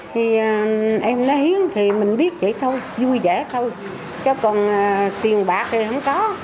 thì em nói hiếm thì mình biết vậy thôi vui vẻ thôi chứ còn tiền bạc thì không có